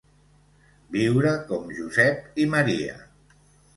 Viure com Josep i Maria.